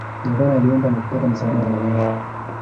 Gavana aliomba na kupata msaada wa wanajeshi